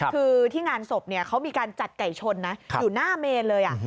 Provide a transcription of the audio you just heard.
คือที่งานศพเขามีการจัดไก่ชนนะอยู่หน้าเมนเลย